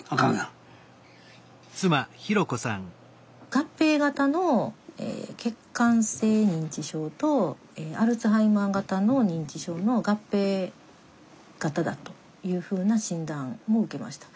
合併型の血管性認知症とアルツハイマー型の認知症の合併型だというふうな診断を受けました。